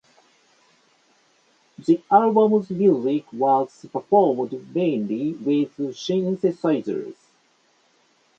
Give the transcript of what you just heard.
The album's music was performed mainly with synthesizers.